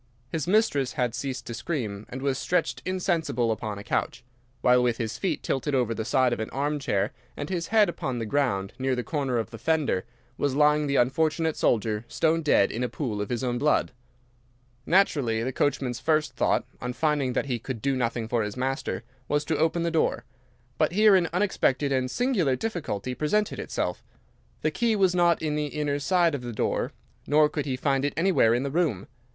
His mistress had ceased to scream and was stretched insensible upon a couch, while with his feet tilted over the side of an armchair, and his head upon the ground near the corner of the fender, was lying the unfortunate soldier stone dead in a pool of his own blood. "Naturally, the coachman's first thought, on finding that he could do nothing for his master, was to open the door. But here an unexpected and singular difficulty presented itself. The key was not in the inner side of the door, nor could he find it anywhere in the room.